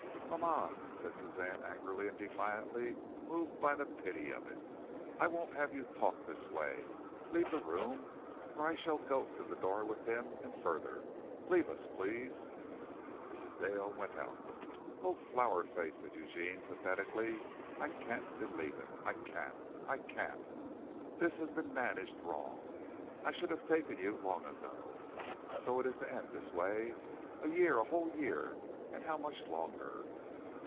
"Mama," said Suzanne angrily and defiantly, moved by the pity of it, "I won't have you talk this way. Leave the room, or I shall go to the door with him and further. Leave us, please." Mrs. Dale went out. "Oh, Flower Face," said Eugene pathetically, "I can't believe it. I can't. I can't! This has been managed wrong. I should have taken you long ago. So it is to end this way. A year, a whole year, and how much longer?"